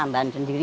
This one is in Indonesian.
ini buatan sendiri